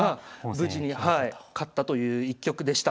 無事に勝ったという一局でした。